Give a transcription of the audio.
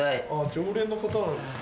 常連の方なんですか？